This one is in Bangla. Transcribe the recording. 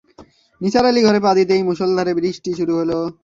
নিসার আলি ঘরে পা দিতেই মুষলধারে বৃষ্টি শুরু হলো।